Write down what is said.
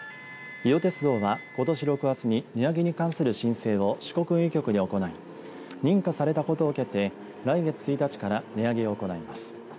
伊予鉄道は、ことし６月に値上げに関する申請を四国運輸局に行い認可されたことを受けて来月１日から値上げを行います。